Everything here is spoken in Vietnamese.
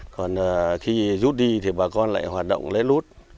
còn khi rút đi thì bà con lại hoạt động lấy lút